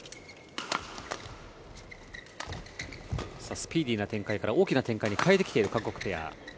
スピーディーな展開から大きな展開へと変えてきている韓国ペア。